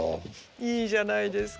いいじゃないですか。